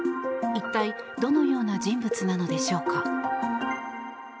一体どのような人物なのでしょうか。